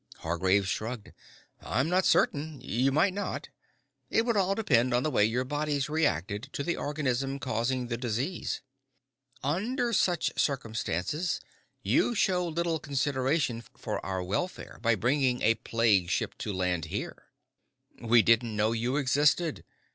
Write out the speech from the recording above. Hargraves shrugged. "I'm not certain. You might not. It would all depend on the way your bodies reacted to the organism causing the disease." "Under such circumstances, you show little consideration for our welfare by bringing a plague ship to land here." "We didn't know you existed.